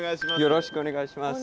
よろしくお願いします。